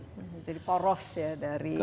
jadi poros ya dari indonesia